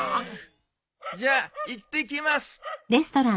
じゃあいってきます。